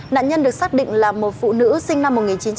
nạn nhân được xác định là một phụ nữ sinh năm một nghìn chín trăm tám mươi